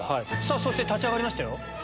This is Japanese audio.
そして立ち上がりましたよ。